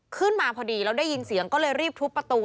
ขึ้นมาพอดีแล้วได้ยินเสียงก็เลยรีบทุบประตู